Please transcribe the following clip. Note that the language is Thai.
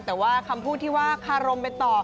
แต่ว่าคำพูดที่ว่าคารมไปต่อ